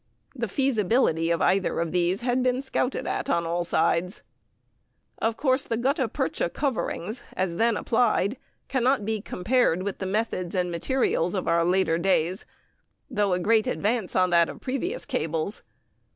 The feasibility of either of these had been scouted at on all sides. Of course the gutta percha coverings as then applied can not be compared with the methods and materials of later days, though a great advance on that of previous cables.